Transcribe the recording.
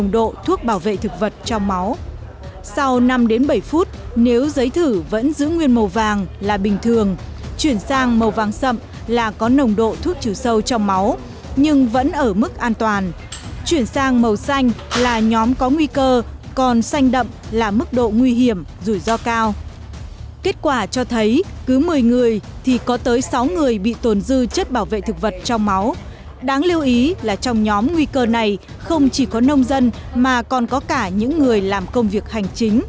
đáng lưu ý là trong nhóm nguy cơ này không chỉ có nông dân mà còn có cả những người làm công việc hành chính